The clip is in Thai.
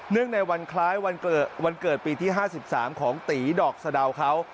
ในวันคล้ายวันเกิดปีที่๕๓ของตีดอกสะดาวเขา